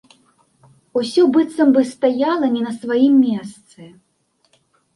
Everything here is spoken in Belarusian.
Усё быццам бы стаяла не на сваім месцы.